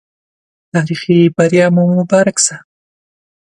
تاريخي بریا مو مبارک سه